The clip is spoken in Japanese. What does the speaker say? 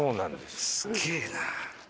すげえな。